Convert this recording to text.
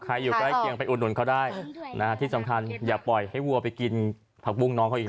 อยู่ใกล้เคียงไปอุดหนุนเขาได้นะฮะที่สำคัญอย่าปล่อยให้วัวไปกินผักบุ้งน้องเขาอีก